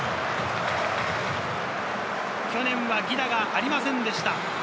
去年は犠打がありませんでした。